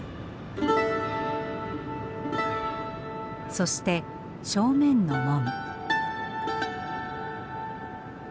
そして正面の門。